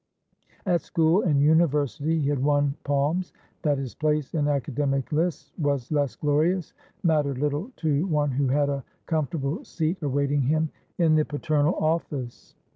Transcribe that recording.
At school and University he had won palms; that his place in academic lists was less glorious mattered little to one who had a comfortable seat awaiting him in the paternal office.